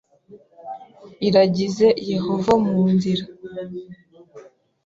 Iragize Yehova mu nzira